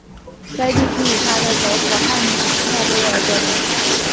该地区以它的首府汉诺威而得名。